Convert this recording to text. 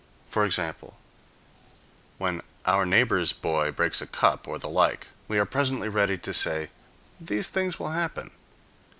For example, when our neighbor's boy breaks a cup, or the like, we are presently ready to say, "These things will happen."